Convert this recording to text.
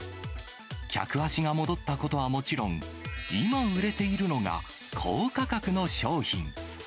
客足が戻ったことはもちろん、今売れているのが、高価格の商品。